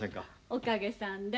おかげさんで。